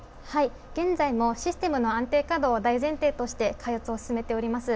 現在もシステムの安定稼働を大前提として、開発を進めております。